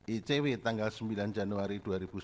icw tanggal sembilan januari dua ribu sembilan belas